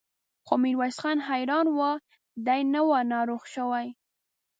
خو ميرويس خان حيران و، دی نه و ناروغه شوی.